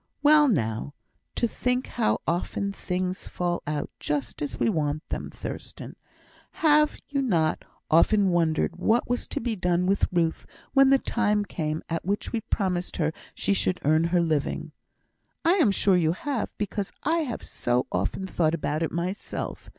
"Well, now! to think how often things fall out just as we want them, Thurstan! Have not you often wondered what was to be done with Ruth when the time came at which we promised her she should earn her living? I am sure you have, because I have so often thought about it myself.